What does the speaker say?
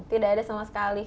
tidak ada sama sekali